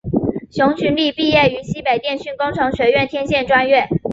熊群力毕业于西北电讯工程学院天线专业。